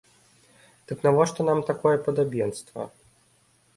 Дык навошта нам такое падабенства?